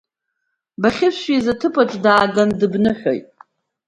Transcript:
Бахьышәииз аҭыԥаҿ дааганы дыбныҳәот.